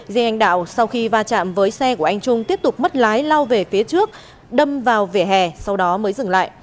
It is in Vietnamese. riêng anh đạo sau khi va chạm với xe của anh trung tiếp tục mất lái lao về phía trước đâm vào vỉa hè sau đó mới dừng lại